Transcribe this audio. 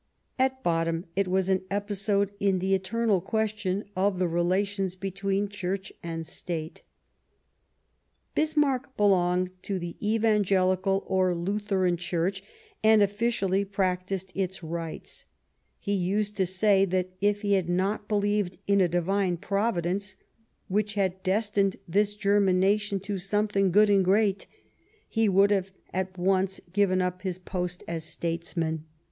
At bottom it was an episode in the eternal question of the rela tions between Church and State. Bismarck belonged to the Evangelical or Lutheran C^^rch, and officially practised its rites ; he used to say that if he had not believed in a Divine Provi dence "which had' destined this German nation to something good and great," he would have at once given up his post as statesman.